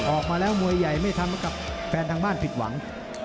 ออกมาแล้วมวยใหญ่ไม่ทำกับแฟนทางบ้านผิดหวัง